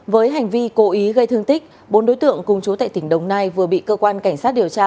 với hành vi cố ý gây thương tích bốn đối tượng cùng chú tại tỉnh đồng nai vừa bị cơ quan cảnh sát điều tra